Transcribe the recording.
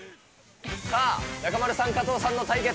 さあ、中丸さん、加藤さんの対決。